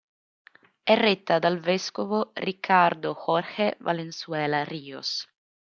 È retta dal vescovo Ricardo Jorge Valenzuela Ríos.